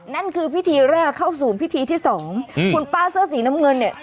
นั่นคือพิธีแรกเข้าสู่พิธีที่สองคุณป้าเสื้อสีน้ำเงินเนี่ย